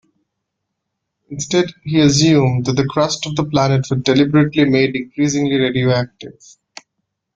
Instead, he assumed that the crust of the planet was deliberately made increasingly radioactive.